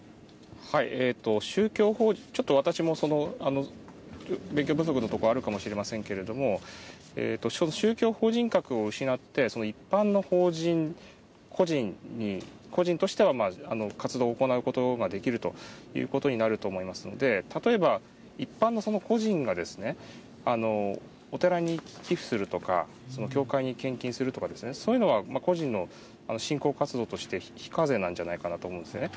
ちょっと私も勉強不足のところあるかもしれませんけれども、宗教法人格を失って、一般の法人、個人としては活動を行うことができるということになると思いますので、例えば、一般の個人がですね、お寺に寄付するとか、教会に献金するとかですね、そういうのは個人の信仰活動として非課税なんじゃないかなと思うんですよね。